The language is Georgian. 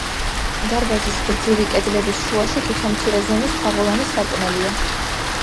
დარბაზის გრძივი კედლების შუაში თითო მცირე ზომის თაღოვანი სარკმელია.